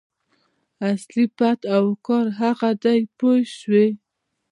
اصلي پت او وقار هغه دی پوه شوې!.